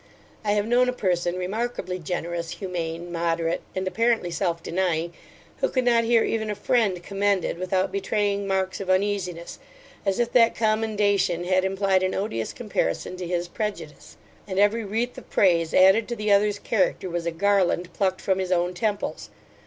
I have known a person remarkably generous, humane, moderate, and apparently self denying, who could not hear even a friend commended, without betraying marks of uneasiness; as if that commendation had implied an odious comparison to his prejudice, and every wreath of praise added to the other's character, was a garland plucked from his own temples.